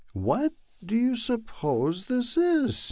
What do you suppose this is?